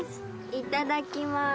いただきます。